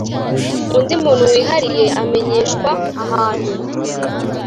undi muntu wihariye amenyeshwa ahantu